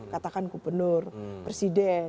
katakan gubernur presiden